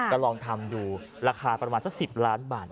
ก็ลองทำดูราคาประมาณสัก๑๐ล้านบาท